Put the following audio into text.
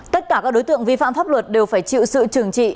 tất cả các đối tượng vi phạm pháp luật đều phải chịu sự trừng trị